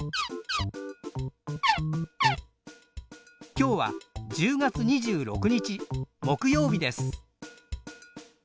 今日は１０月２６日木曜日です。